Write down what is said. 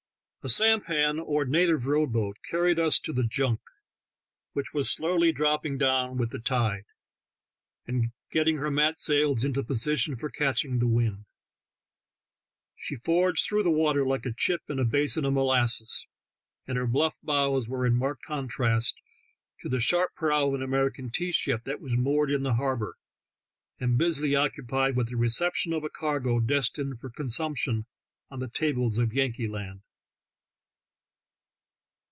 A sampan, or native rowboat, carried us to the junk, which was slowly dropping down with the tide, and getting her mat sails into position for catching the wind. She forged through the water like a chip in a basin of molasses, and her bluff bows were in marked contrast to thfe sharp prow of an American tea ship that was moored in the harbor, and busily occupied with the reception of a cargo destined for consumption on the tables of Yankee land.